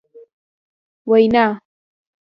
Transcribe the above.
وینا ...